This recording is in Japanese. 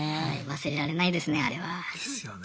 忘れられないですねあれは。ですよね。